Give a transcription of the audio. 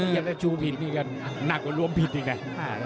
ถ้าชูผิดนี่ก็หนักกว่ารวมผิดอีกไง